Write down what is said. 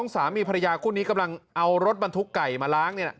สามีภรรยาคู่นี้กำลังเอารถบรรทุกไก่มาล้าง